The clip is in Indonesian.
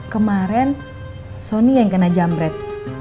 kemaren sony yang kena jamret